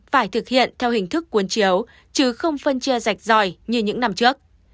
phải thực hiện theo hình thức cuốn chiếu chứ không phân chia rạch ròi như những năm trước